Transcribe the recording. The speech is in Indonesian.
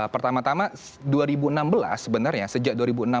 pertama tama dua ribu enam belas sebenarnya sejak dua ribu enam belas